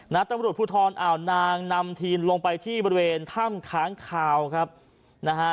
นักตรวจผู้ทอลเอ่อนางนำทีลงไปที่บริเวณถ้ำค้างคาวครับน่ะฮะ